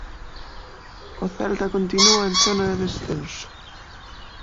O Celta continúa en zona de descenso.